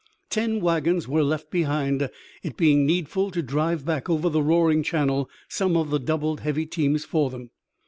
Ten wagons were left behind, it being needful to drive back, over the roaring channel, some of the doubled heavy teams for them.